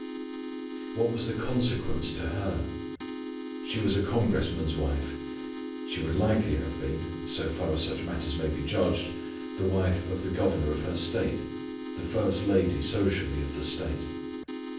What was the consequence to her? She was a congressman's wife. She would likely have been, so far as such matters may be judged, the wife of the governor of her state, the first lady socially of the state.